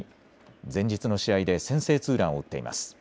前日の試合で先制ツーランを打っています。